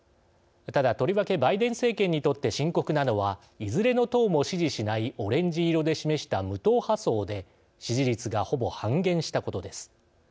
ただ、とりわけバイデン政権にとって深刻なのはいずれの党も支持しないオレンジ色で示した無党派層で支持率がほぼ半減したことです。